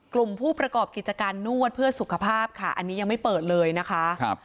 กลุ่มผู้ประกอบกิจการนวดเพื่อสุขภาพค่ะอันนี้ยังไม่เปิดเลยนะคะครับ